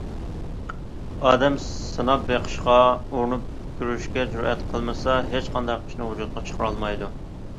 ئادەم سىناپ بېقىشقا، ئۇرۇنۇپ كۆرۈشكە جۈرئەت قىلمىسا، ھېچقانداق ئىشنى ۋۇجۇدقا چىقىرالمايدۇ.